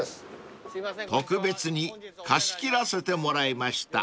［特別に貸し切らせてもらいました］